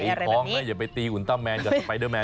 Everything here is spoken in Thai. ตีค้องไม่อย่าไปตีอุลตะแมนกับสไปเดอร์แมน